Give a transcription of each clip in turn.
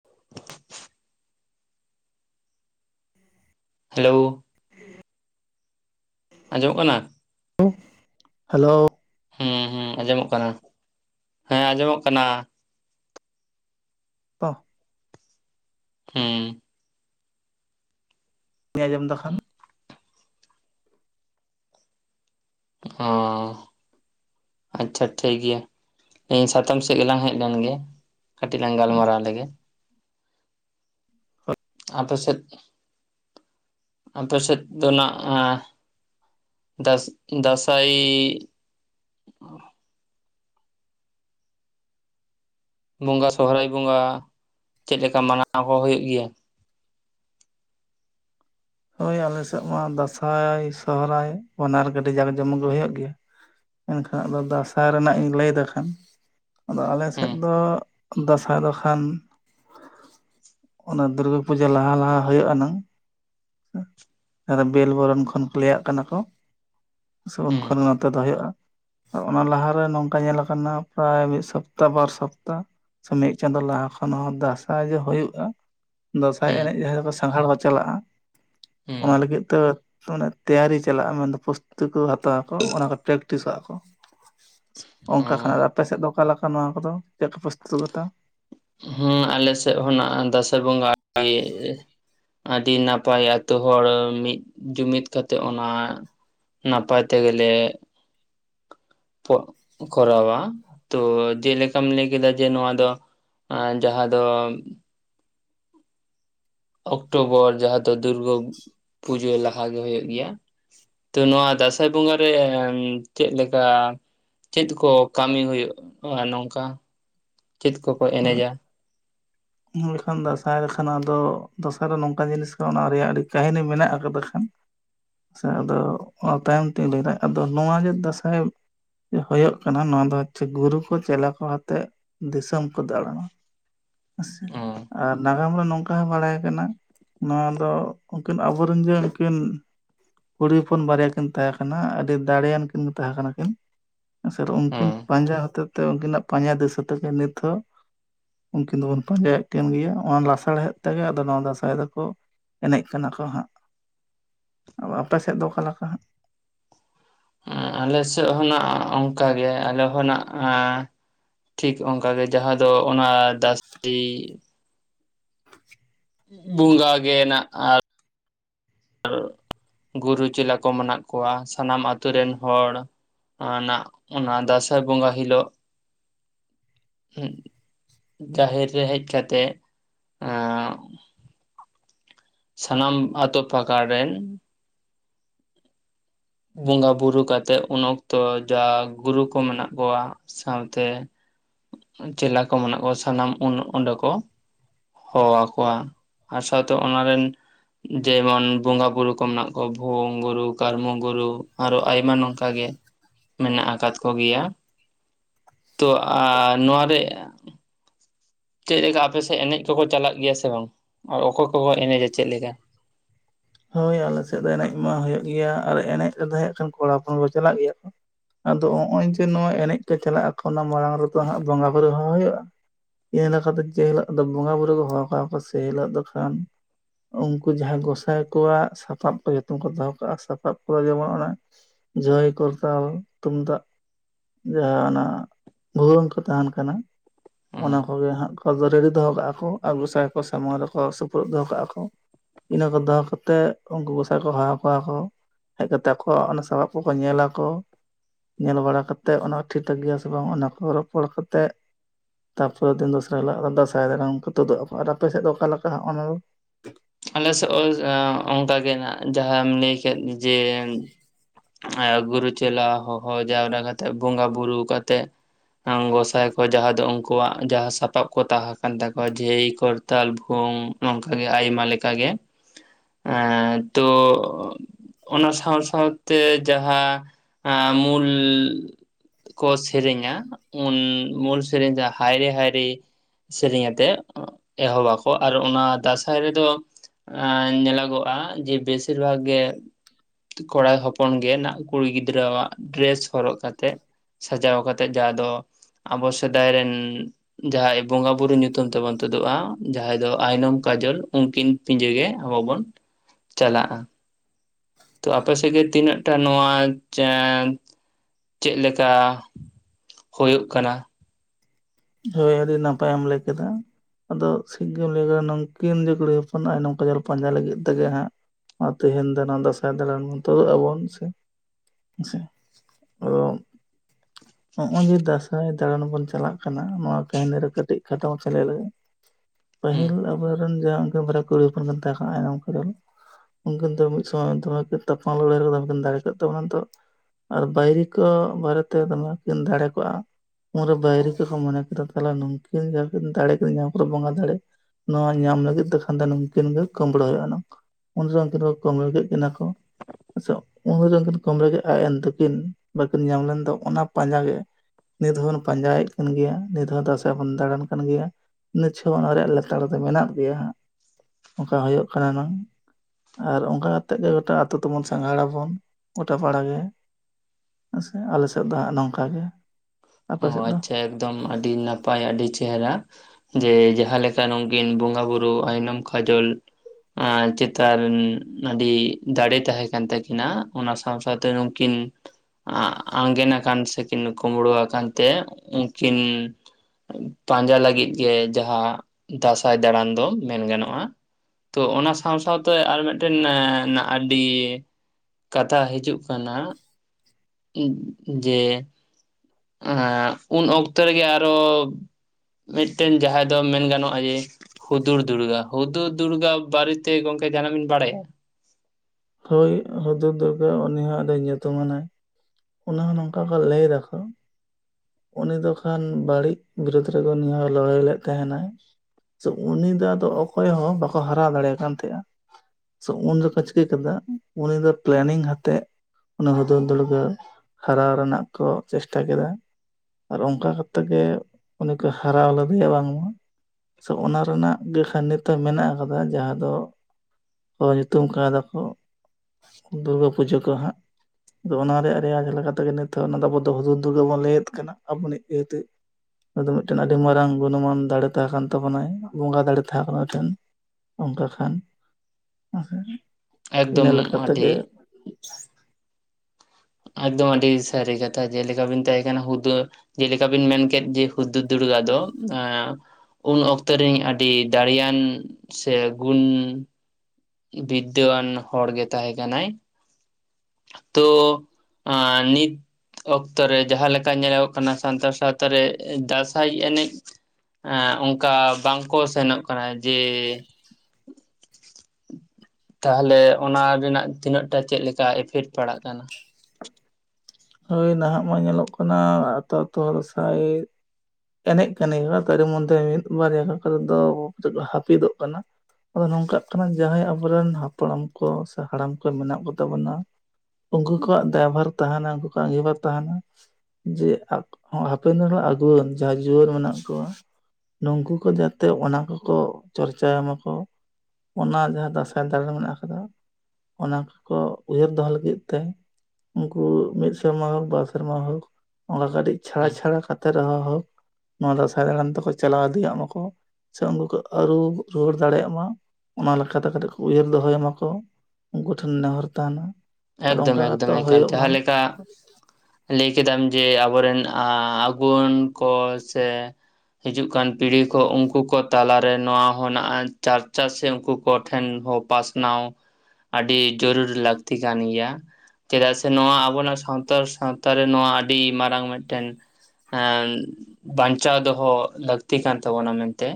[inaudible] Hello [inaudible] ᱟᱸᱡᱚᱢᱚᱜ ᱠᱟᱱᱟ [inaudible] hello ᱦᱩᱸ ᱦᱩᱸ ᱟᱸᱡᱚᱢᱚᱜ ᱠᱟᱱᱟ ᱦᱮᱸ ᱟᱸᱡᱚᱢᱚᱜ ᱠᱟᱱᱟ ᱚ ᱦᱩᱸ ᱵᱟᱹᱧ ᱟᱸᱡᱚᱢ ᱫᱟ ᱠᱷᱟᱱ ᱦᱚᱸᱻ ᱟᱪᱪᱷᱟ ᱴᱷᱤᱠ ᱜᱮᱭᱟ ᱤᱧ ᱥᱟᱛᱟᱢ ᱥᱮᱫ ᱜᱮᱞᱟᱝ ᱦᱮᱡ ᱞᱮᱱ ᱜᱮ ᱠᱟᱹᱴᱤᱡ ᱞᱟᱝ ᱜᱟᱞᱢᱟᱨᱟᱣ ᱞᱮᱜᱮ ᱟᱯᱮ ᱥᱮᱫ ᱟᱯᱮ ᱥᱮᱫ ᱫᱚ ᱱᱟᱜ ᱫᱟᱥ ᱫᱟᱸᱥᱟᱭ ᱵᱚᱸᱜᱟ ᱥᱚᱦᱚᱨᱟᱭ ᱵᱚᱸᱜᱟ ᱪᱮᱫ ᱞᱮᱠᱟ ᱢᱟᱱᱟᱣ ᱠᱚ ᱦᱩᱭᱩᱜ ᱜᱮᱭᱟ? ᱦᱳᱭ ᱟᱞᱮ ᱥᱮᱫ ᱢᱟ ᱫᱟᱸᱥᱟᱭ ᱥᱚᱦᱚᱨᱟᱭ ᱵᱟᱱᱟᱨ ᱜᱮ ᱟᱹᱰᱤ ᱡᱟᱠ ᱡᱚᱢᱚᱠ ᱜᱮ ᱦᱩᱭᱩᱜ ᱜᱮᱭᱟ ᱢᱮᱱ ᱠᱷᱟᱱ ᱟᱫᱚ ᱫᱟᱸᱥᱟᱭ ᱨᱮᱱᱟᱜ ᱤᱧ ᱞᱟᱹᱭ ᱫᱟ ᱠᱷᱟᱱ ᱟᱫᱚ ᱟᱞᱮ ᱦᱩᱸ ᱥᱮᱫ ᱫᱚ ᱫᱟᱸᱥᱟᱭ ᱫᱚ ᱠᱷᱟᱱ ᱚᱱᱟ ᱫᱩᱨᱜᱟᱹ ᱯᱩᱡᱟᱹ ᱞᱟᱦᱟ ᱞᱟᱦᱟ ᱦᱩᱭᱩᱜ-ᱟ ᱱᱟᱝ ᱟᱫᱚ ᱵᱮᱞ ᱵᱚᱨᱚᱱ ᱠᱷᱚᱱ ᱯᱮ ᱞᱮᱭᱟᱜ ᱠᱟᱱᱟ ᱠᱚ ᱥᱮ ᱩᱱ ᱦᱩᱸ ᱠᱷᱚᱱ ᱱᱚᱛᱮ ᱫᱚ ᱦᱩᱭᱩᱜᱼᱟ ᱚᱱᱟ ᱞᱟᱦᱟᱨᱮ ᱱᱚᱝᱠᱟ ᱧᱮᱞ ᱠᱟᱱᱟ ᱯᱨᱟᱭ ᱢᱤᱫ ᱥᱚᱯᱛᱟ ᱵᱟᱨ ᱥᱚᱯᱛᱟ ᱥᱮ ᱢᱤᱫ ᱪᱟᱸᱫᱳ ᱞᱟᱦᱟ ᱠᱷᱚᱱ ᱦᱚᱸ ᱫᱟᱸᱥᱟᱭ ᱡᱮ ᱦᱩᱭᱩᱜᱼᱟ ᱫᱟᱸᱥᱟᱭ ᱦᱩᱸ ᱮᱱᱮᱡ ᱡᱟᱦᱟᱸ ᱨᱮᱠᱚ ᱥᱟᱸᱜᱷᱟᱨ ᱠᱚ ᱪᱟᱞᱟᱜᱼᱟ ᱦᱩᱸ ᱚᱱᱟ ᱞᱟᱹᱜᱤᱫ ᱛᱮ ᱢᱟᱱᱮ ᱛᱮᱭᱟᱨᱤ ᱪᱟᱞᱟᱜᱼᱟ ᱢᱮᱱᱫᱚ ᱯᱚᱥᱛᱩ ᱠᱚ ᱦᱟᱛᱟᱣᱟ ᱠᱚ ᱚᱱᱟ ᱠᱚ ᱯᱨᱮᱠᱴᱤᱥᱚᱜᱼᱟ ᱠᱚ ᱚ ᱚᱱᱠᱟ ᱠᱷᱟᱱ ᱟᱫᱚ ᱟᱯᱮ ᱥᱮᱫ ᱫᱚ ᱚᱠᱟ ᱞᱮᱠᱟ ᱱᱚᱣᱟ ᱠᱚᱫᱚ ᱪᱮᱫ ᱠᱟ ᱯᱨᱚᱥᱛᱩᱛᱟ ᱦᱟᱛᱟᱣᱟ ᱦᱮᱸ ᱟᱞᱮ ᱥᱮᱫ ᱦᱚᱱᱟᱜ ᱫᱟᱸᱥᱟᱭ ᱵᱚᱸᱜᱟ [inaudible] ᱟᱹᱰᱤ ᱱᱟᱯᱟᱭ ᱟᱹᱛᱳ ᱦᱚᱲ ᱢᱤᱫ ᱡᱩᱢᱤᱫ ᱠᱟᱛᱮᱫ ᱚᱱᱟ ᱱᱟᱯᱟᱭ ᱛᱮ ᱜᱮᱞᱮ ᱠᱚᱨᱟᱣᱟ ᱛᱚ ᱡᱮᱞᱮᱠᱟᱢ ᱞᱟᱹᱭ ᱠᱮᱫᱟ ᱡᱮ ᱱᱚᱣᱟ ᱫᱚ ᱟᱨ ᱡᱟᱦᱟᱸ ᱫᱚ ᱚᱠᱴᱳᱵᱚᱨ ᱡᱟᱦᱟᱸ ᱫᱚ ᱫᱩᱨᱜᱟᱹ ᱯᱩᱡᱟᱹ ᱞᱟᱦᱟᱜᱮ ᱦᱩᱭᱩᱜ ᱜᱮᱭᱟ ᱛᱚ ᱱᱚᱣᱟ ᱫᱟᱸᱥᱟᱭ ᱵᱚᱸᱜᱟ ᱨᱮ ᱪᱮᱫ ᱞᱮᱠᱟ ᱪᱮᱫ ᱠᱚ ᱠᱟᱹᱢᱤ ᱦᱩᱭᱩᱜᱼᱟ ᱱᱚᱝᱠᱟ ᱪᱮᱫ ᱠᱚᱠᱚ ᱮᱱᱮᱡᱟ ᱢᱮᱱᱠᱷᱟᱱ ᱫᱟᱸᱥᱟᱭ ᱞᱮᱠᱷᱟᱱᱟᱜ ᱫᱚ ᱫᱟᱸᱥᱟᱭ ᱫᱚ ᱱᱚᱝᱠᱟᱱ ᱡᱤᱱᱤᱥ ᱠᱟᱱᱟ ᱚᱱᱟ ᱨᱮᱭᱟᱜ ᱟᱹᱰᱤ ᱠᱟᱹᱦᱤᱱᱤ ᱢᱮᱱᱟᱜ ᱠᱟᱫᱟ ᱠᱷᱟᱱ ᱟᱫᱚ ᱚᱱᱟ ᱛᱟᱭᱚᱢ ᱛᱮᱧ ᱞᱟᱹᱭᱮ ᱫᱟ ᱟᱫᱚ ᱱᱚᱣᱟ ᱡᱮ ᱫᱟᱸᱥᱟᱭ -ᱦᱩᱭᱩᱜ ᱠᱟᱱᱟ ᱱᱚᱶᱟ ᱫᱚ [unintelligible] ᱜᱩᱨᱩ ᱠᱚ ᱪᱮᱞᱟ ᱠᱚ ᱟᱛᱮᱫ ᱫᱤᱥᱚᱢ ᱠᱚ ᱫᱟᱬᱟᱱᱟ ᱚᱸ ᱟᱨ ᱱᱟᱜᱟᱢ ᱨᱮ ᱱᱚᱝᱠᱟ ᱦᱚᱸ ᱵᱟᱲᱟᱭ ᱠᱟᱱᱟ ᱱᱚᱶᱟ ᱫᱚ ᱩᱱᱠᱤᱱ ᱟᱵᱚ ᱨᱮᱱ ᱡᱮ ᱩᱱᱠᱤᱱ ᱠᱩᱲᱤ ᱦᱚᱯᱚᱱ ᱵᱟᱨᱭᱟ ᱠᱤᱱ ᱛᱟᱦᱮᱸ ᱠᱟᱱᱟ ᱟᱹᱰᱤ ᱫᱟᱲᱮᱭᱟᱱ ᱠᱤᱱ ᱛᱟᱦᱮᱸ ᱠᱟᱱᱟ ᱠᱤᱱ ᱦᱮᱸ ᱥᱮ ᱩᱱᱠᱤᱱ ᱦᱮᱸ ᱯᱟᱸᱡᱟ ᱦᱚᱛᱮᱡ ᱛᱮ ᱩᱱᱠᱤᱱᱟᱜ ᱯᱟᱸᱡᱟ ᱫᱤᱥᱟᱹ ᱛᱮᱜᱮ ᱱᱤᱛ ᱦᱚᱸ ᱩᱱᱠᱤᱱ ᱫᱚᱵᱚᱱ ᱯᱟᱸᱡᱟᱭᱮᱫ ᱠᱟᱱ ᱜᱮᱭᱟ ᱚᱱᱟ ᱞᱟᱥᱟᱲᱦᱮᱫ ᱛᱮᱜᱮ ᱱᱚᱣᱟ ᱫᱟᱸᱟᱭ ᱫᱚᱠᱚ ᱮᱱᱮᱡ ᱠᱟᱱᱟ ᱠᱚ ᱦᱟᱸᱜ ᱟᱫᱚ ᱟᱯᱮ ᱥᱮᱫ ᱫᱚ ᱚᱠᱟ ᱠᱚ ᱦᱟᱸᱜ? ᱟᱞᱮ ᱥᱮᱫ ᱦᱚᱸᱱᱟᱜ ᱚᱱᱠᱟᱜᱮ ᱟᱞᱮ ᱦᱚᱸᱱᱟᱜ ᱴᱷᱤᱠ ᱚᱱᱠᱟ ᱜᱮ ᱡᱟᱦᱟᱸ ᱫᱚ ᱚᱱᱟ ᱫᱟᱥ ᱵᱩᱸᱜᱟ ᱜᱮ ᱱᱟᱜ ᱟᱨ ᱟᱨ ᱜᱩᱨᱩ ᱪᱮᱞᱟ ᱠᱚ ᱢᱮᱱᱟᱜ ᱠᱚᱣᱟ ᱥᱟᱱᱟᱢ ᱟᱛᱳ ᱨᱮᱱ ᱦᱚᱲ ᱚᱱᱟ ᱚᱱᱟ ᱫᱟᱸᱥᱟᱭ ᱵᱚᱸᱜᱟ ᱦᱤᱞᱳᱜ ᱡᱟᱦᱮᱨ ᱨᱮ ᱦᱮᱡ ᱠᱟᱛᱮᱜ ᱥᱟᱱᱟᱢ ᱟᱛᱳ ᱯᱷᱟᱠᱟ ᱨᱮᱱ ᱵᱚᱸᱜᱟ ᱵᱩᱨᱩ ᱠᱟᱛᱮᱫ ᱩᱱ ᱚᱠᱛᱚ ᱡᱟ ᱜᱩᱨᱩ ᱠᱚ ᱢᱮᱱᱟᱜ ᱠᱚᱣᱟ ᱥᱟᱶᱛᱮ ᱪᱮᱞᱟ ᱠᱚ ᱢᱮᱱᱟᱜ ᱠᱚᱣᱟ ᱥᱟᱱᱟᱢ ᱚᱸᱰᱮ ᱠᱚ ᱦᱚᱦᱚ ᱟᱠᱚᱣᱟ ᱟᱨ ᱥᱟᱶᱛᱮ ᱚᱱᱟ ᱨᱮᱱ ᱡᱮᱢᱚᱱ ᱵᱚᱸᱜᱟ ᱵᱩᱨᱩ ᱠᱚ ᱢᱮᱱᱟᱜ ᱠᱚᱣᱟ ᱵᱷᱩᱣᱟᱹᱝ ᱜᱩᱨᱩ ᱠᱟᱨᱢᱚ ᱵᱩᱨᱩ ᱟᱨᱚ ᱟᱭᱢᱟ ᱱᱚᱝᱠᱟ ᱜᱮ ᱢᱮᱱᱟᱜ ᱟᱠᱟᱫ ᱠᱚᱜᱮᱭᱟ ᱛᱚ ᱟ ᱱᱚᱶᱟ ᱨᱮ ᱪᱮᱫ ᱞᱮᱠᱟ ᱟᱯᱮᱥᱮᱫ ᱮᱱᱮᱡ ᱠᱚᱠᱚ ᱪᱟᱞᱟᱜ ᱜᱮᱭᱟ ᱥᱮ ᱵᱟᱝ ᱟᱨ ᱚᱠᱚᱭ ᱠᱚᱠᱚ ᱮᱱᱮᱡᱟ ᱪᱮᱫ ᱞᱮᱠᱟ? ᱦᱳᱭ ᱟᱞᱮ ᱥᱮᱫ ᱫᱚ ᱮᱱᱮᱡ ᱢᱟ ᱦᱩᱭᱩᱜ ᱜᱮᱭᱟ ᱟᱨ ᱮᱱᱮᱡ ᱨᱮᱫᱚ ᱠᱷᱟᱱ ᱠᱚᱲᱟ ᱦᱚᱯᱚᱱ ᱠᱚ ᱪᱟᱞᱟᱜ ᱜᱮᱭᱟ ᱠᱚ ᱟᱫᱚ ᱱᱚᱜ ᱚᱭ ᱡᱮ ᱱᱚᱣᱟ ᱮᱱᱮᱡ ᱠᱚ ᱪᱟᱞᱟᱜ ᱟᱠᱚ ᱚᱱᱟ ᱢᱟᱲᱟᱝ ᱨᱮᱫᱚ ᱦᱟᱸᱜ ᱵᱚᱸᱜᱟ ᱵᱩᱨᱩ ᱦᱚᱦᱚ ᱦᱩᱭᱩᱜᱼᱟ ᱤᱱᱟ ᱞᱮᱠᱟᱛᱮ ᱡᱮ ᱦᱤᱞᱳᱜ ᱫᱚ ᱵᱚᱸᱜᱟ ᱵᱩᱨᱩ ᱠᱚ ᱦᱚᱦᱚ ᱠᱟ ᱠᱚᱣᱟ ᱥᱮ ᱦᱤᱞᱳᱜ ᱫᱚ ᱠᱷᱟᱱ ᱩᱱᱠᱩ ᱡᱟᱦᱟᱸ ᱜᱚᱸᱥᱟᱭ ᱠᱚᱣᱟᱜ ᱥᱟᱯᱟᱵ ᱠᱚ ᱡᱚᱛᱚᱱ ᱠᱚ ᱫᱚᱦᱚ ᱠᱟᱜᱼᱟ ᱥᱟᱯᱟᱵ ᱠᱚᱫᱚ ᱡᱮᱢᱚᱱ ᱚᱱᱟ ᱡᱚᱭ ᱠᱚᱨᱛᱟᱞ ᱛᱩᱢᱫᱟᱜ ᱡᱟᱦᱟᱸ ᱚᱱᱟ ᱵᱷᱣᱟᱹᱝ ᱠᱚ ᱛᱟᱦᱮᱱ ᱠᱟᱱᱟ ᱚᱱᱟ ᱠᱚᱜᱮ ᱦᱟᱸᱜ ᱠᱚ ᱨᱮᱲᱤ ᱫᱚᱦᱚ ᱠᱟᱜᱼᱟ ᱠᱚ ᱟᱨ ᱜᱚᱸᱥᱟᱭ ᱠᱚ ᱥᱟᱢᱟᱝ ᱨᱮᱠᱚ ᱥᱩᱯᱨᱩᱫ ᱫᱚᱦᱚ ᱠᱟᱜᱼᱟ ᱠᱚ ᱤᱱᱟᱹ ᱠᱚ ᱫᱚᱦᱚ ᱠᱟᱜ ᱛᱮ ᱩᱱᱠᱩ ᱜᱚᱸᱥᱟᱭ ᱠᱚ ᱦᱚᱟᱦᱟ ᱠᱚᱣᱟ ᱠᱚ ᱦᱮᱡ ᱠᱟᱛᱮ ᱟᱠᱚ ᱚᱱᱟ ᱥᱟᱯᱟᱵ ᱠᱚᱠᱚ ᱧᱮᱞᱟ ᱠᱚ ᱧᱮᱞ ᱵᱟᱲᱟ ᱠᱟᱛᱮᱫ ᱚᱱᱟ ᱴᱷᱤᱠ ᱴᱷᱟᱠ ᱜᱮᱭᱟ ᱥᱮ ᱵᱟᱝ ᱚᱱᱟ ᱠᱚ ᱨᱚᱯᱚᱲ ᱠᱟᱛᱮᱫ ᱛᱟᱯᱚᱨᱮ ᱫᱤᱱ ᱫᱚᱥᱨᱟ ᱦᱤᱞᱳᱜ ᱫᱟᱸᱥᱟᱭ ᱫᱟᱲᱟᱱ ᱠᱚ ᱛᱩᱫ ᱟᱠᱚ ᱟᱨ ᱟᱯᱮ ᱥᱮᱫ ᱫᱚ ᱚᱠᱟ ᱞᱮᱠᱟ ᱦ ᱚᱱᱟ ᱫᱚ ᱟᱞᱮ ᱥᱮᱫ ᱚᱱᱠᱟᱜᱮ ᱡᱟᱦᱟᱸᱢ ᱞᱟᱹᱭ ᱠᱮᱫ ᱡᱮ ᱜᱩᱨᱩ ᱪᱮᱞᱟ ᱦᱚᱦᱚ ᱡᱟᱣᱨᱟ ᱠᱟᱛᱮᱫ ᱵᱚᱸᱜᱟ ᱵᱩᱨᱩ ᱠᱟᱛᱮᱜ ᱜᱚᱸᱥᱟᱭ ᱠᱚ ᱡᱟᱦᱟᱸ ᱫᱚ ᱩᱱᱠᱩᱣᱟᱜ ᱡᱟᱦᱟᱸ ᱥᱟᱯᱟᱵ ᱠᱚ ᱛᱟᱦᱮᱸ ᱠᱟᱱ ᱛᱟᱠᱚᱣᱟ ᱡᱮᱭ ᱠᱚ [unintelligible] ᱱᱚᱝᱠᱟᱜᱮ ᱟᱭᱢᱟ ᱞᱮᱠᱟᱜ ᱜᱮ ᱮ ᱛᱚ ᱚᱱᱟ ᱥᱟᱶ ᱥᱟᱶᱛᱮ ᱡᱟᱦᱟᱸ ᱢᱩᱞ ᱠᱚ ᱥᱮᱨᱮᱧᱟ ᱩᱱ ᱢᱩᱞ ᱥᱮᱨᱮᱧ ᱫᱚ ᱦᱟᱭᱨᱮ ᱦᱟᱭᱨᱮ ᱥᱮᱨᱮᱧ ᱟᱛᱮᱫ ᱮᱦᱚᱵᱟ ᱠᱚ ᱟᱨ ᱚᱱᱟ ᱫᱟᱸᱥᱟᱭ ᱨᱮᱫᱚ ᱮ ᱧᱮᱞᱚᱜᱚᱜᱼᱟ ᱡᱮ ᱵᱮᱥᱤᱨ ᱵᱷᱟᱜᱽ ᱜᱮ ᱠᱚᱲᱟ ᱦᱚᱯᱚᱱ ᱜᱮ ᱱᱟ ᱠᱩᱲᱤ ᱜᱤᱫᱽᱨᱟᱹᱣᱟᱜ ᱰᱨᱮᱥ ᱦᱚᱨᱚᱜ ᱠᱟᱛᱮᱜ ᱥᱟᱡᱟᱣ ᱠᱟᱛᱮᱫ ᱡᱟᱦᱟᱸ ᱫᱚ ᱟᱵᱚ ᱥᱮᱫᱟᱭ ᱨᱮᱱ ᱡᱟᱦᱟᱸᱭ ᱵᱚᱸᱜᱟ ᱵᱩᱨᱩ ᱧᱩᱛᱩᱢ ᱛᱮᱵᱚᱱ ᱛᱩᱫᱩᱜᱼᱟ ᱡᱟᱦᱟᱸᱭ ᱫᱚ ᱟᱭᱱᱚᱢ ᱠᱟᱡᱚᱞ ᱩᱱᱠᱤᱱ ᱯᱤᱡᱟᱹᱜ ᱜᱮ ᱟᱵᱚ ᱵᱚᱱ ᱪᱟᱞᱟᱜᱼᱟ ᱛᱚ ᱟᱯᱮ ᱥᱮᱫ ᱜᱮ ᱛᱤᱱᱟᱹᱜ ᱴᱟ ᱱᱚᱣᱟ ᱪᱮᱫ ᱞᱮᱠᱟ ᱦᱩᱭᱩᱜ ᱠᱟᱱᱟ ᱦᱳᱭ ᱟᱹᱰᱤ ᱱᱟᱯᱟᱭᱮᱢ ᱞᱟᱹᱭ ᱠᱮᱫᱟ ᱟᱫᱚ ᱥᱤᱠᱷ ᱜᱮᱢ ᱞᱟᱹᱭ ᱠᱮᱫᱟ ᱱᱩᱝᱠᱤᱱ ᱡᱮ ᱠᱩᱲᱤ ᱦᱚᱯᱚᱱᱟᱜᱼ ᱱᱚᱝᱠᱟ ᱡᱚᱞ ᱯᱟᱸᱡᱟ ᱞᱟᱹᱜᱤᱫ ᱛᱮᱜᱮ ᱦᱟᱸᱜ ᱛᱮᱦᱱ ᱫᱬ ᱫᱟᱸᱥᱟᱭ ᱫᱟᱬᱟᱱ ᱱᱚᱛ ᱟᱵᱚᱱ ᱥᱮ ᱦᱮᱸᱥᱮ ᱚ ᱱᱚᱜᱼᱚᱭ ᱡᱮ ᱫᱟᱸᱥᱟᱭ ᱫᱟᱬᱟᱱ ᱵᱚᱱ ᱪᱟᱞᱟᱜ ᱠᱟᱱᱟ ᱱᱚᱣᱟ ᱠᱟᱹᱦᱤᱱᱤ ᱨᱮ ᱠᱟᱹᱴᱤᱡ ᱠᱷᱟᱴᱟᱣ [inaudible] ᱞᱟᱹᱭ ᱞᱟᱹᱜᱤᱫ ᱦᱩᱸ ᱯᱟᱹᱦᱤᱞ ᱟᱵᱚ ᱩᱱ ᱠᱟᱱ ᱜᱮᱭᱟ ᱵᱟᱨᱭᱟ ᱠᱩᱲᱤ ᱦᱚᱯᱚᱱ ᱠᱟᱱ ᱛᱟᱦᱮᱸᱠᱟ ᱚᱱᱟ ᱯᱚᱨᱮ ᱩᱱᱠᱤᱱ ᱫᱚ ᱢᱤᱫ ᱥᱚᱢᱚᱭ ᱫᱚᱤᱱ ᱛᱟᱯᱟᱢ ᱞᱟᱹᱲᱦᱟᱹᱭ ᱨᱮ [inaudible] ᱫᱟᱲᱮ ᱠᱟᱜ ᱛᱟᱵᱚᱱᱟ ᱢᱮᱱ ᱫᱚ ᱟᱨ ᱵᱟᱭᱨᱤ ᱠᱚ ᱵᱟᱨᱮ ᱛᱮ ᱫᱚᱢᱮ ᱠᱤᱱ ᱫᱟᱲᱮ ᱠᱚᱜᱼᱟ ᱩᱱᱨᱮ ᱵᱟᱭᱨᱤ ᱫᱚᱠᱚ ᱢᱚᱱᱮ ᱠᱮᱫᱟ ᱛᱟᱦᱚᱞᱮ ᱱᱩᱠᱤᱱ ᱡᱟᱦᱟᱸ ᱫᱟᱲᱮ ᱠᱤᱱ ᱧᱟᱢ ᱠᱟᱫᱟ ᱵᱚᱸᱜᱟ ᱫᱟᱲᱮ ᱱᱚᱣᱟ ᱧᱟᱢ ᱞᱟᱹᱜᱤᱫ ᱠᱷᱟᱱ ᱫᱚ ᱱᱩᱠᱤᱱ ᱜᱮ ᱠᱩᱢᱲᱟᱹ ᱦᱩᱭᱩᱜᱼᱟ᱾ ᱩᱱᱨᱮ ᱩᱱᱠᱤᱱ ᱠᱟᱹᱢ ᱠᱮᱫ ᱠᱤᱱᱟ ᱠᱚ᱾ ᱥᱮ ᱩᱱ ᱨᱮᱱᱠᱤᱱ ᱠᱚᱢ ᱨᱮᱜᱮ ᱟᱡ ᱮᱱ ᱫᱚᱠᱤᱱ ᱵᱟᱹᱠᱤᱱ ᱧᱟᱢ ᱞᱮᱱ ᱫᱚ ᱚᱱᱟ ᱯᱟᱸᱡᱟ ᱜᱮ ᱱᱤᱛ ᱫᱷᱚᱱ ᱯᱟᱸᱡᱟᱭᱮᱫ ᱠᱟᱱ ᱜᱮᱭᱟ ᱱᱤᱛ ᱦᱚᱸ ᱫᱟᱸᱥᱟᱭ ᱵᱚᱱ ᱫᱟᱬᱟᱱ ᱠᱟᱱ ᱜᱮᱭᱟ ᱱᱤᱛ ᱦᱚᱸ ᱚᱱᱟ ᱨᱮᱭᱟᱜ ᱞᱮᱠ ᱨᱮᱫᱚ ᱢᱮᱱᱟᱜ ᱜᱮᱭᱟ ᱦᱟᱸ ᱚᱱᱠᱟ ᱦᱩᱭᱩᱜ ᱠᱟᱱᱟ ᱱᱟ ᱟᱨ ᱚᱱᱠᱟ ᱠᱟ ᱠᱟᱛᱮᱫ ᱜᱮ ᱜᱚᱴᱟ ᱟᱛᱳ ᱛᱮᱵᱚᱱ ᱥᱟᱸᱜᱷᱟᱨ ᱟᱵᱚᱱ ᱜᱚᱴᱟ ᱯᱟᱲᱟ ᱜᱮ ᱦᱮᱸ ᱥᱮ ᱟᱞᱮ ᱥᱮᱫ ᱫᱚ ᱦᱟᱸᱜ ᱱᱚᱝᱠᱟ ᱜᱮ ᱟᱯᱮ ᱚ ᱥᱮᱫ ᱫᱚ ᱟᱪᱪᱷᱟ ᱮᱠᱫᱚᱢ ᱟᱹᱰᱤ ᱱᱟᱯᱟᱭ ᱟᱹᱰᱤ ᱪᱮᱦᱨᱟ ᱡᱮ ᱡᱟᱦᱟᱸ ᱞᱮᱠᱟ ᱱᱩᱠᱤᱱ ᱵᱚᱸᱜᱟ ᱵᱩᱨᱩ ᱟᱭᱱᱚᱢ ᱠᱟᱡᱚᱞ ᱟᱸ ᱪᱮᱛᱟᱱ ᱟᱹᱰᱤ ᱫᱟᱲᱮ ᱛᱟᱦᱮᱸ ᱠᱟᱱ ᱛᱟᱹᱠᱤᱱᱟ ᱚᱱᱟ ᱥᱟᱶ-ᱥᱟᱶᱛᱮ ᱠᱤᱱ ᱟᱸᱜᱮᱱᱟ ᱟᱠᱟᱱ ᱥᱮ ᱠᱤᱱ ᱠᱩᱢᱲᱣᱟ ᱠᱟᱱ ᱛᱮ ᱩᱱᱠᱤᱱ ᱯᱟᱸᱡᱟ ᱞᱟᱹᱜᱤᱫ ᱜᱮ ᱡᱟᱦᱟᱸ ᱫᱟᱸᱥᱟᱭ ᱫᱟᱬᱟᱱ ᱫᱚ ᱢᱮᱱ ᱜᱟᱱᱚᱜᱼᱟ᱾ ᱛᱚ ᱚᱱᱟ ᱥᱟᱶ-ᱥᱟᱶᱛᱮ ᱟᱨ ᱢᱤᱫᱴᱮᱱ ᱟᱹᱰᱤ ᱠᱟᱛᱷᱟ ᱦᱤᱡᱩᱜ ᱠᱟᱱᱟ ᱩᱸᱜ ᱡᱮ ᱩᱱ ᱚᱠᱛᱚ ᱨᱮᱜᱮ ᱟᱨᱦᱚ ᱢᱤᱫᱴᱮᱱ ᱡᱟᱦᱟᱸᱭ ᱫᱚ ᱢᱮᱱ ᱜᱟᱱᱚᱜᱼᱟ ᱡᱮ ᱦᱩᱫᱩᱨ ᱫᱩᱨᱜᱟ ᱦᱩᱫᱩᱨ ᱫᱩᱨᱜᱟ ᱵᱟᱨᱮ ᱛᱮ ᱜᱚᱝᱠᱮ ᱡᱟᱸᱱᱟᱜ ᱵᱤᱱ ᱵᱟᱲᱟᱭᱟ? ᱦᱳᱭ ᱦᱩᱫᱩᱨ ᱫᱩᱨᱜᱟᱹ ᱩᱱᱤ ᱦᱚᱸ ᱟᱰᱤ ᱧᱩᱛᱩᱢᱟᱱᱟᱭ ᱚᱱᱟ ᱦᱚᱸ ᱱᱚᱝᱠᱟ ᱠᱚ ᱞᱟᱹᱭ ᱫᱟ ᱠᱚ ᱩᱱᱤ ᱫᱚ ᱠᱷᱟᱱ ᱵᱟᱹᱲᱤᱡ ᱵᱤᱨᱩᱫᱽ ᱨᱮᱜᱮ ᱩᱱᱤ ᱦᱚᱭ ᱞᱟᱹᱲᱦᱟᱹᱭ ᱞᱮᱫ ᱛᱟᱸᱦᱮᱱᱟᱭ᱾ ᱥᱮ ᱩᱱᱤ ᱫᱚ ᱟᱫᱚ ᱚᱠᱚᱭ ᱦᱚᱸ ᱵᱟᱠᱚ ᱦᱟᱨᱟ ᱫᱟᱲᱮᱭᱟᱭ ᱠᱟᱱ ᱛᱟᱦᱮᱸᱫᱼᱟ, ᱥᱮ ᱩᱱ ᱡᱚᱠᱷᱚᱡ ᱴᱤᱠᱟᱹ ᱠᱮᱫᱟ ᱩᱱᱤ ᱫᱚ ᱯᱞᱮᱱᱤᱝ ᱟᱛᱮᱫ ᱚᱱᱟ ᱦᱩᱫᱩᱢ ᱫᱩᱲᱜᱟᱹ ᱦᱟᱨᱟᱣ ᱨᱮᱱᱟᱜ ᱠᱚ ᱪᱮᱥᱴᱟ ᱠᱮᱫᱟ ᱟᱨ ᱚᱱᱠᱟ ᱠᱟᱛᱮᱫ ᱜᱮ ᱩᱱᱤ ᱠᱚ ᱦᱟᱨᱟ ᱞᱮᱫᱮᱭᱟ ᱵᱟᱝᱢᱟ᱾ ᱥᱮ ᱚᱱᱟ ᱨᱮᱱᱟᱜ ᱜᱮ ᱠᱷᱟᱱ ᱱᱤᱛᱚ ᱢᱮᱱᱟᱜ ᱟᱠᱟᱫᱟ ᱡᱟᱦᱟᱸ ᱫᱚ ᱠᱚ ᱧᱩᱛᱩᱢ ᱠᱟᱣᱫᱟᱠᱚ ᱫᱩᱨᱜᱟᱹ ᱯᱩᱡᱟᱹ ᱠᱚ ᱦᱟᱸᱜ᱾ ᱟᱫᱚ ᱚᱱᱟ ᱨᱮᱭᱟᱜ ᱨᱮᱭᱟᱡᱽ ᱞᱮᱠᱟ ᱛᱮᱜᱮ ᱱᱤᱛ ᱦᱚᱸ ᱟᱵᱚ ᱫᱚ ᱦᱩᱫᱩᱫ ᱫᱩᱨᱜᱟᱹ ᱵᱚᱱ ᱞᱟᱹᱭᱮᱫ ᱠᱟᱱᱟ᱾ᱟᱵᱚᱤᱡ ᱡᱛᱤ ᱩᱱᱤᱩᱭ ᱫᱚ ᱢᱤᱫᱴᱮᱱ ᱟᱹᱰᱤ ᱢᱟᱨᱟᱝ ᱜᱩᱱᱚᱢᱟᱱ ᱫᱟᱲᱮ ᱛᱟᱦᱮᱸ ᱠᱟᱱ ᱛᱟᱵᱚᱱᱟᱭ ᱵᱚᱸᱜᱟ ᱫᱟᱲᱮ ᱛᱟᱦᱮᱸ ᱠᱟᱱᱟ ᱩᱱᱤ ᱴᱷᱮᱱ᱾ ᱚᱱᱠᱟ ᱠᱷᱟᱱ [inaudible] ᱤᱱᱟᱹ ᱮᱠᱫᱚᱢ ᱞᱮᱠᱟ ᱟᱹᱰᱤ ᱛᱮᱜᱮ ᱮᱠᱫᱚᱢ ᱟᱹᱰᱤ ᱥᱟᱹᱨᱤ ᱠᱟᱛᱷᱟ ᱡᱮᱞᱮᱠᱟ ᱵᱤᱱ ᱛᱟᱦᱮᱸ ᱠᱟᱱᱟ ᱦᱩᱫᱟ. ᱡᱮᱞᱮᱠᱟ ᱵᱤᱱ ᱢᱮᱱ ᱠᱮᱫ ᱡᱮ ᱦᱩᱫᱽᱫᱩᱲ ᱫᱩᱨᱜᱟ ᱫᱚ ᱩᱱ ᱚᱠᱛᱚ ᱨᱮ ᱟᱹᱰᱤ ᱫᱟᱲᱮᱭᱟᱱ ᱥᱮ ᱜᱩᱱ ᱵᱤᱫᱽᱫᱟᱹᱣᱟᱱ ᱦᱚᱲ ᱜᱮ ᱛᱟᱦᱮᱸ ᱠᱟᱱᱟᱭ᱾ ᱛᱚ ᱟᱸ ᱱᱤᱛ ᱚᱠᱛᱚ ᱨᱮ ᱡᱟᱦᱟᱸ ᱞᱮᱠᱟ ᱧᱮᱞᱚᱜᱚᱜ ᱠᱟᱱᱟ ᱥᱟᱱᱛᱟᱲ ᱥᱟᱶᱛᱟᱨᱮ ᱫᱟᱸᱥᱟᱭ ᱮᱱᱮᱡ ᱮᱸᱜ ᱚᱱᱠᱟ ᱵᱟᱝᱠᱚ ᱥᱮᱱᱚᱜ ᱠᱟᱱᱟ ᱡᱮ ᱛᱟᱦᱚᱞᱮ ᱚᱱᱟ ᱨᱮᱱᱟᱜ ᱛᱤᱱᱟᱹᱜ ᱴᱟ ᱪᱮᱫ ᱞᱮᱠᱟ ᱤᱯᱷᱮᱠᱴ ᱯᱟᱲᱟᱜ ᱠᱟᱱᱟ? ᱦᱳᱭ ᱱᱟᱦᱟᱜ ᱢᱟ ᱧᱮᱞᱚᱜ ᱠᱟᱱᱟ ᱟᱹᱛᱩ ᱟᱹᱛᱩ ᱦᱚᱲ ᱥᱟᱭ ᱮᱱᱮᱡ ᱠᱟᱱᱤᱧ [unintelligible] ᱠᱚ ᱛᱟᱨᱮ ᱢᱚᱫᱽᱫᱷᱮ ᱢᱤᱫ ᱵᱟᱨ ᱡᱟᱭᱜᱟ ᱠᱚᱨᱮ ᱫᱚ ᱦᱟᱹᱯᱤᱫᱚᱜ ᱠᱟᱱᱟ ᱚᱱᱟ ᱱᱚᱝᱠᱟᱜ ᱠᱟᱱᱟ ᱡᱟᱦᱟᱸᱭ ᱟᱵᱚᱨᱮᱱ ᱦᱟᱯᱲᱟᱢ ᱠᱚ, ᱥᱮ ᱦᱟᱲᱟᱢ ᱠᱚ ᱢᱮᱱᱟᱜ ᱠᱚᱛᱟ ᱵᱚᱱᱟ ᱩᱱᱠᱩ ᱠᱚᱣᱟᱜ ᱫᱨᱟᱭᱵᱷᱟᱨ ᱛᱟᱦᱮᱱᱟ ᱩᱱᱠᱩ ᱠᱚᱣᱟᱜ ᱟᱸᱡᱤᱵᱷᱟᱨ ᱛᱟᱦᱮᱱᱟ᱾ ᱡᱮ ᱦᱟᱯᱮᱱ ᱫᱤᱱ ᱟᱹᱜᱩᱣᱟᱹᱱ ᱡᱟᱦᱟᱸ ᱡᱩᱣᱟᱹᱱ ᱢᱮᱱᱟᱜ ᱠᱚᱣᱟ ᱱᱩᱝᱠᱩ ᱠᱚ ᱡᱟᱛᱮ ᱚᱱᱟ ᱠᱚᱠᱚ ᱪᱚᱨᱪᱟ ᱟ ᱢᱟᱠᱚ ᱚᱱᱟ ᱡᱟᱦᱟᱸ ᱫᱟᱸᱥᱟᱭ ᱫᱟᱲᱟᱱ ᱢᱮᱱᱟᱜ ᱟᱠᱟᱫᱟ ᱚᱱᱟ ᱠᱚᱠᱚ ᱩᱭᱦᱟᱹᱨ ᱫᱚᱦᱚ ᱞᱟᱹᱜᱤᱫ ᱛᱮ ᱩᱱᱠᱩ ᱢᱤᱫ ᱢᱤᱫ ᱥᱮᱨᱢᱟ ᱦᱳᱠ ᱵᱟᱨ ᱥᱮᱨᱢᱟ ᱦᱳᱠ ᱚᱱᱠᱟ ᱠᱟᱹᱴᱤᱡ ᱪᱷᱟᱲᱟ ᱦᱩᱸ ᱪᱷᱟᱲᱟ ᱠᱟᱛᱮ ᱨᱮᱦᱚᱸ ᱦᱳᱠ ᱱᱚᱣᱟ ᱫᱟᱸᱥᱟᱭ ᱫᱟᱬᱟᱱ ᱛᱮᱠᱚ ᱪᱟᱞᱟᱣ ᱤᱫᱤᱭᱟ ᱚᱱᱟᱠᱚ ᱥᱮ ᱩᱱᱠᱩ ᱠᱚ ᱟᱹᱨᱩ ᱨᱩᱣᱟᱹᱲ ᱫᱟᱲᱮᱭᱟᱜ ᱢᱟ ᱚᱱᱟ ᱞᱮᱠᱟᱛᱮ ᱠᱟ ᱠᱟᱛᱮ ᱠᱚ ᱩᱭᱦᱟᱹᱨ ᱫᱚᱦᱚᱭ ᱢᱟᱠᱚ ᱩᱱᱠᱩ ᱴᱷᱮᱱ ᱱᱮᱦᱚᱨ ᱛᱟᱦᱮᱱᱟ ᱟᱨ ᱮᱠᱫᱚᱢ ᱚᱱᱠᱟ ᱮᱠᱫᱚᱢ ᱠᱟᱛᱮ ᱮᱠᱟᱞ ᱦᱳᱭᱳᱜ ᱡᱟᱦᱟ ᱢᱟ ᱞᱮᱠᱟ ᱞᱟᱹᱭ ᱠᱮᱫᱟᱢ ᱡᱮ ᱟᱵᱚᱨᱮᱱ ᱟᱻ ᱟᱹᱜᱩᱣᱟᱹᱱ ᱠᱚ ᱥᱮ ᱦᱤᱡᱩᱜ ᱠᱟᱱ ᱯᱤᱲᱦᱤ ᱠᱚ ᱩᱱᱠᱩ ᱠᱚ ᱛᱟᱞᱟᱨᱮ ᱱᱚᱣᱟ ᱦᱚᱸ ᱱᱟᱜ-ᱟᱭ ᱪᱟᱨᱪᱟ ᱥᱮ ᱩᱱᱠᱩ ᱠᱚᱴᱷᱮᱱ ᱦᱚᱸ ᱯᱟᱥᱱᱟᱣ ᱟᱹᱰᱤ ᱡᱚᱨᱩᱨᱤ ᱞᱟᱹᱠᱛᱤ ᱠᱟᱱ ᱜᱮᱭᱟ᱾ ᱪᱮᱫᱟᱜ ᱥᱮ ᱱᱚᱣᱟ ᱟᱵᱚᱱᱟᱜ ᱥᱟᱶᱛᱟᱲ ᱥᱟᱶᱛᱟ ᱨᱮ ᱱᱚᱣᱟ ᱟᱹᱰᱤ ᱢᱟᱨᱟᱝ ᱢᱤᱫᱴᱮᱱ ᱮᱸᱱ ᱵᱟᱧᱪᱟᱣ ᱫᱚᱦᱚ ᱞᱟᱹᱠᱛᱤ ᱠᱟᱱ ᱛᱟᱵᱚᱱᱟ ᱢᱮᱱᱛᱮ᱾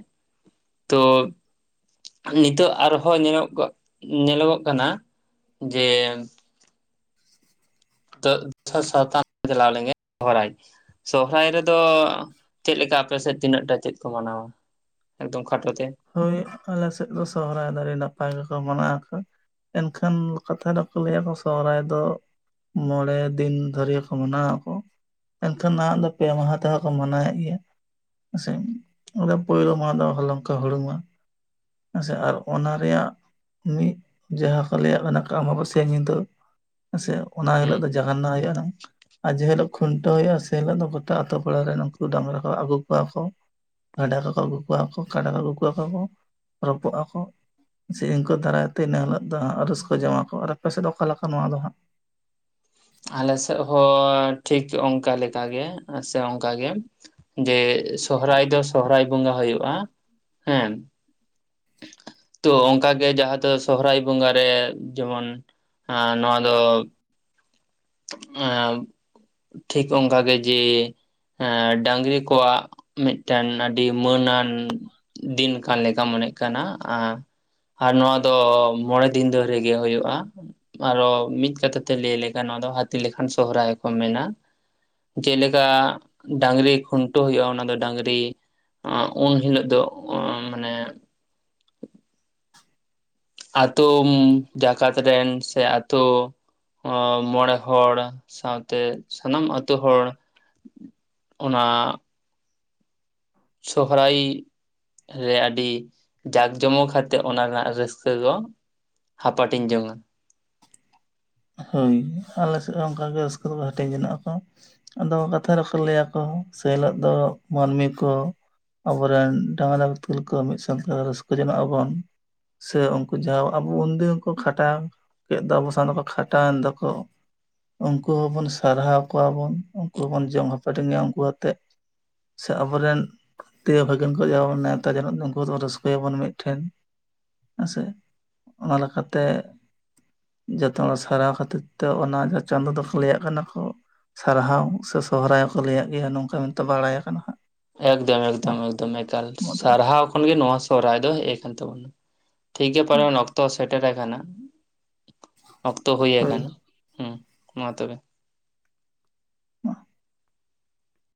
ᱛᱚ ᱱᱤᱛᱚᱜ ᱟᱨᱦᱚᱸ ᱧᱮᱞᱚᱜ ᱧᱮᱞᱚ ᱜᱚᱜ ᱠᱟᱱᱟ ᱡᱮ [unintelligible] ᱥᱚᱦᱚᱨᱟᱭ ᱨᱮᱫᱚ ᱪᱮᱫ ᱞᱮᱠᱟ ᱟᱯᱮ ᱥᱮᱫ ᱛᱤᱱᱟᱹᱜᱴᱟ ᱪᱮᱫ ᱠᱚ ᱢᱟᱱᱟᱣᱟ ᱮᱠᱫᱚᱢ ᱠᱷᱟᱴᱚ ᱛᱮ ᱦᱳᱭ ᱟᱞᱮ ᱥᱮᱫ ᱫᱚ ᱥᱚᱦᱨᱟᱭ ᱫᱚ ᱟᱰᱤ ᱱᱟᱯᱟᱭ ᱜᱮᱠᱚ ᱢᱟᱱᱟᱣ ᱟᱠᱚ ᱮᱱᱠᱷᱟᱱ ᱠᱟᱛᱷᱟ ᱨᱮᱠᱚ ᱞᱟᱹᱭᱟ ᱥᱚᱦᱨᱟᱭ ᱫᱚ ᱢᱚᱬᱮ ᱫᱤᱱ ᱫᱷᱚᱨᱮ ᱠᱚ ᱢᱟᱱᱟᱣᱟ ᱠᱚ ᱮᱱᱠᱷᱟᱱ ᱱᱟᱦᱟᱜ ᱫᱚ ᱯᱮᱲᱟ ᱢᱟᱦᱟ ᱛᱮᱦᱚᱸ ᱠᱚ ᱢᱟᱱᱟᱣᱮᱫ ᱜᱮᱭᱟ ᱦᱮ ᱥᱮ ᱚᱱᱟ ᱯᱳᱭᱞᱳ ᱢᱟᱦᱟ ᱫᱚ ᱦᱚᱞᱚᱝᱠᱚ ᱦᱩᱲᱩᱝᱼᱟ ᱦᱮᱸᱥᱮ ᱟᱨ ᱚᱱᱟ ᱨᱮᱭᱟᱜ ᱱᱤᱛ ᱡᱟᱦᱟᱸ ᱠᱚ ᱞᱟᱹᱭᱟᱜ ᱠᱟᱱᱟ ᱠᱚ ᱟᱢᱵᱟᱵᱟᱹᱥᱭᱟᱹ ᱧᱤᱸᱫᱟᱹ ᱦᱮᱸ ᱥᱮ ᱚᱱᱟ ᱦᱤᱞᱳᱜ ᱦᱩᱸ ᱫᱚ ᱡᱟᱜᱟᱱ ᱱᱟ ᱦᱩᱭᱩᱜᱼᱟ ᱟᱨ ᱡᱮᱦᱤᱞᱳᱜ ᱠᱷᱩᱱᱴᱟᱹᱣ ᱦᱩᱭᱩᱜᱼᱟ ᱥᱮ ᱦᱤᱞᱳᱜ ᱫᱚ ᱜᱚᱴᱟ ᱟᱛᱳ ᱯᱟᱲᱟ ᱨᱮᱱ ᱩᱱᱠᱩ ᱰᱟᱝᱨᱟ ᱠᱚ ᱟᱹᱜᱩ ᱠᱚᱣᱟ ᱠᱚ ᱠᱟᱰᱟ ᱠᱚᱠᱚ ᱟᱹᱜᱩ ᱠᱚᱣᱟ ᱠᱚ ᱠᱟᱰᱟ ᱠᱚ ᱟᱹᱜᱩ ᱠᱚᱣᱟ ᱠᱚ ᱠᱚ ᱨᱚᱯᱚᱜ ᱟᱠᱚ ᱥᱮ ᱫᱤᱱᱠᱩ ᱫᱟᱨᱟᱭᱛᱮ ᱤᱱᱟᱹ ᱦᱤᱞᱳᱜ ᱫᱚ ᱦᱟᱜ ᱨᱟᱹᱥᱠᱟᱹ ᱡᱚᱝᱟ ᱠᱚ ᱟᱨ ᱟᱯᱮ ᱥᱮᱫ ᱫᱚ ᱚᱠᱟ ᱞᱮᱠᱟ ᱱᱚᱣᱟ ᱫᱚ ᱦᱟᱸᱜ ᱟᱞᱮ ᱥᱮᱫ ᱦᱚᱸ ᱴᱷᱤᱠ ᱚᱱᱠᱟ ᱞᱮᱠᱟᱜᱮ ᱥᱮ ᱚᱱᱠᱟᱜᱮ ᱡᱮ ᱥᱚᱦᱨᱟᱭ ᱫᱚ ᱥᱚᱦᱨᱟᱭ ᱵᱚᱸᱜᱟ ᱦᱩᱭᱩᱜᱳᱼᱟ ᱦᱮᱸ ᱛᱚ ᱚᱱᱠᱟᱜᱮ ᱡᱟᱦᱟᱸ ᱫᱚ ᱥᱚᱦᱚᱨᱟᱭ ᱵᱚᱸᱜᱟᱨᱮ ᱡᱮᱢᱚᱱ ᱟ ᱱᱚᱣᱟ ᱫᱚ ᱮ ᱴᱷᱤᱠ ᱚᱱᱠᱟ ᱜᱮ ᱡᱮ ᱮᱸ ᱰᱟᱝᱨᱤ ᱠᱚᱣᱟᱜ ᱢᱤᱫᱴᱮᱱ ᱟᱹᱰᱤ ᱢᱟᱹᱱ ᱟᱱ ᱫᱤᱱ ᱠᱟᱱ ᱞᱮᱠᱟ ᱢᱚᱱᱮᱫ ᱠᱟᱱᱟ ᱟᱨ ᱱᱚᱣᱟ ᱫᱚ ᱢᱚᱬᱮ ᱫᱤᱱ ᱫᱷᱚᱨᱮ ᱜᱮ ᱦᱩᱭᱩᱜᱼᱟ ᱟᱨᱚ ᱢᱤᱫ ᱠᱟᱛᱷᱟ ᱛᱮ ᱞᱟᱹᱭ ᱞᱮᱠᱟ ᱱᱚᱣᱟ ᱫᱚ ᱦᱟᱹᱛᱤ ᱞᱮᱠᱷᱟᱱ ᱥᱚᱨᱦᱟᱭ ᱠᱚ ᱢᱮᱱᱼᱟ ᱡᱮᱞᱮᱠᱟ ᱰᱟᱝᱨᱤ ᱠᱷᱩᱱᱴᱟᱹᱣ ᱦᱩᱭᱩᱜᱼᱟ ᱚᱱᱟᱫᱚ ᱰᱟᱹᱟᱝᱨᱤ ᱩᱱ ᱦᱤᱞᱳᱜ ᱫᱚ ᱚ ᱢᱟᱱᱮ ᱟᱛᱳ ᱡᱟᱠᱟᱛ ᱨᱮᱱ ᱥᱮ ᱛᱚ ᱢᱚᱬᱮ ᱦᱚᱲ ᱥᱟᱶᱛᱮ ᱥᱟᱱᱟᱢ ᱟᱹᱛᱩ ᱦᱚᱲ ᱚᱱᱟ ᱥᱚᱦᱨᱟᱭ ᱨᱮ ᱟᱹᱰᱤ ᱡᱟᱠ ᱡᱚᱢᱚᱠ ᱟᱛᱮᱫ ᱚᱱᱟ ᱨᱮᱱᱟᱜ ᱨᱟᱹᱥᱠᱟᱹ ᱫᱚ ᱦᱟᱯᱟᱴᱤᱧ ᱡᱚᱝᱟ ᱦᱳᱭ ᱟᱞᱮ ᱥᱮᱫ ᱦᱚᱸ ᱚᱱᱠᱟᱜ ᱜᱮ ᱨᱟᱹᱥᱠᱟᱹ ᱫᱚᱠᱚ ᱦᱟᱹᱴᱤᱧ ᱡᱚᱱᱟᱜ ᱟᱠᱚ ᱟᱫᱚ ᱠᱟᱛᱷᱟ ᱨᱮᱠᱚ ᱞᱟᱹᱭᱟᱠᱚ ᱥᱮ ᱦᱤᱞᱳᱜ ᱫᱚ ᱢᱟᱹᱱᱢᱤ ᱠᱚ ᱟᱵᱚᱮᱱ ᱰᱟᱝᱨᱟ ᱵᱤᱛᱠᱤᱞ ᱠᱚ ᱢᱤᱫ ᱥᱛᱟᱣ ᱛᱮ ᱨᱟᱹᱥᱠᱟᱹ ᱡᱚᱱᱚᱜ ᱟᱵᱚᱱ ᱥᱮ ᱩᱱᱠᱩ ᱡᱟᱦᱟᱸ ᱟᱵᱚ ᱩᱱᱫᱤᱱ ᱠᱚ ᱠᱷᱟᱴᱟᱣ ᱠᱮᱫ ᱫᱚ ᱟᱵᱚ ᱥᱟᱣ ᱠᱷᱟᱴᱟᱣ ᱮᱱ ᱫᱚᱠᱚ ᱩᱱᱠᱩ ᱦᱚᱸᱵᱚᱱ ᱥᱟᱨᱦᱟᱣ ᱠᱚᱣᱟᱵᱩᱱ ᱩᱱᱠᱩ ᱦᱚᱵᱚᱱ ᱡᱚᱢ ᱦᱟᱯᱟᱴᱤᱝᱼᱟ ᱩᱱᱠᱩ ᱟᱛᱮᱜ ᱥᱮ ᱟᱵᱚᱨᱮᱱ ᱫᱮᱣ ᱵᱷᱟᱹᱜᱟᱹᱱ ᱠᱚ ᱡᱟᱣ ᱵᱚᱱ ᱱᱮᱣᱛᱟ ᱡᱮᱱᱚ ᱩᱱᱠᱩ ᱨᱟᱹᱥᱠᱟᱹᱭᱟᱵᱚᱱ ᱢᱤᱫ ᱴᱷᱮᱱ ᱦᱮᱸᱥᱮ ᱚᱱᱟ ᱞᱮᱠᱟᱛᱮ ᱡᱚᱛᱼᱼ ᱚᱻ ᱥᱟᱨᱟᱣ ᱠᱷᱟᱹᱛᱤᱨ ᱛᱮ ᱚᱱᱟ ᱡᱟᱦᱟᱸ ᱪᱟᱸᱫᱳ ᱫᱚᱠᱚ ᱞᱟᱹᱭᱟᱜ ᱠᱟᱱᱟ ᱠᱚ ᱥᱟᱨᱦᱟᱣ ᱥᱮ ᱥᱚᱦᱨᱟᱭ ᱦᱚᱸᱠᱚ ᱞᱟᱹᱭᱟᱜ ᱜᱮᱭᱟ ᱱᱚᱝᱠᱟ ᱢᱮᱱᱛᱮ ᱵᱟᱲᱟᱭ ᱠᱟᱱᱟ ᱦᱟᱸᱜ ᱮᱠᱫᱚᱢ ᱢᱟ ᱮᱠᱫᱚᱢ ᱮᱠᱫᱚᱢ ᱮᱠᱟᱞ ᱢᱟ ᱛᱚᱵᱮ ᱥᱟᱨᱦᱟᱣ ᱠᱷᱚᱱᱜᱮ ᱱᱚᱣᱟ ᱥᱚᱨᱦᱨᱟᱭ ᱫᱚ ᱦᱮᱡ ᱠᱟᱱ ᱛᱟᱵᱚᱱᱟ ᱴᱷᱤᱠ ᱜᱮ ᱯᱟᱞᱮᱱ ᱚᱠᱛᱚ ᱥᱮᱴᱮᱨ ᱟᱠᱟᱱᱟ ᱚᱠᱛᱚ ᱦᱩᱭ ᱦᱳᱭ ᱟᱠᱟᱱᱟ ᱦᱮᱸ ᱢᱟ ᱛᱚᱵᱮ ᱦᱩ